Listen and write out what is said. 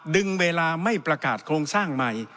ดึงเวลาไม่ประกาศโครงสร้างใหม่